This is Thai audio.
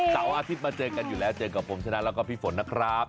เสาร์อาทิตย์มาเจอกันอยู่แล้วเจอกับผมชนะแล้วก็พี่ฝนนะครับ